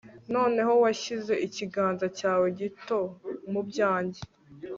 Noneho washyize ikiganza cyawe gito mu byanjye